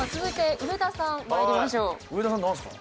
上田さんなんですか？